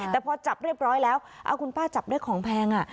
แต่พอจับเรียบร้อยแล้วเอาคุณป้าจับได้ของแพง